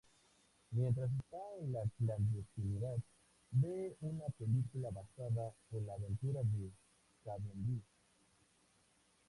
Mientras está en la clandestinidad, ve una película basada en la aventura de Cavendish.